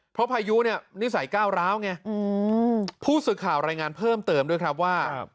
เพราะพายุเนี่ยนิสัยก้าวร้าวไงผู้สื่อข่าวรายงานเพิ่มเติมด้วยครับว่า